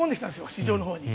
市場のほうに。